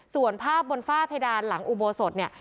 ส่วนภาพบนฝ้าเพดานหลังอุโบสถเนี่ย